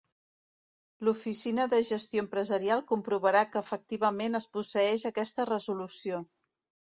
L'Oficina de Gestió Empresarial comprovarà que efectivament es posseeix aquesta Resolució.